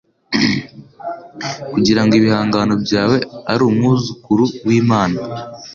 kugirango ibihangano byawe ari umwuzukuru wImana